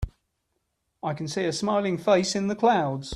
I can see a smiling face in the clouds.